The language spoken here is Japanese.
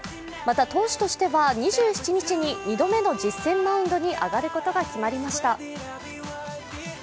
また、投手としては２７日に２度目の実戦マウンドに上がることが決まりました。